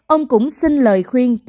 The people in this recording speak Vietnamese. ông cũng xin lời khuyên